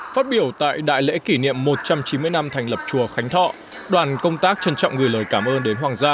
phát biểu tại đại lễ kỷ niệm một trăm chín mươi năm thành lập chùa khánh thọ đoàn công tác trân trọng gửi lời cảm ơn đến hoàng gia